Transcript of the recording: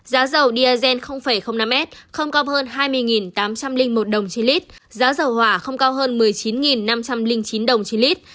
giá dầu diazen năm s không cao hơn hai mươi tám trăm linh một đồng trên lít giá dầu hỏa không cao hơn một mươi chín năm trăm linh chín đồng trên lít